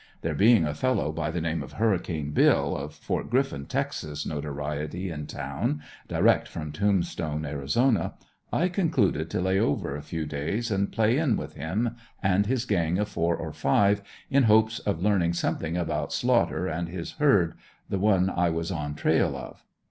There being a fellow by the name of "Hurricane Bill," of Ft. Griffin, Texas notoriety, in town, direct from Tombstone, Arizona, I concluded to lay over a few days and "play in" with him and his gang of four or five, in hopes of learning something about Slaughter and his herd, the one I was on trail of.